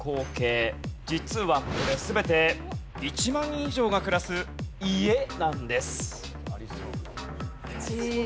実はこれ全て１万人以上が暮らす家なんです。